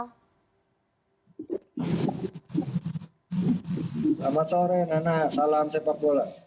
selamat sore nana salam sepak bola